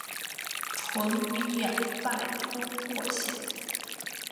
淳于衍拜托霍显。